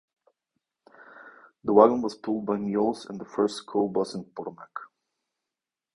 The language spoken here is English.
The wagon was pulled by mules and was the first school bus in Potomac.